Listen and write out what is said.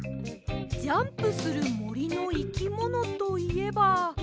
ジャンプするもりのいきものといえば。